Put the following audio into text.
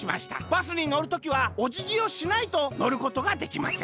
バスにのる時はおじぎをしないとのることができません」。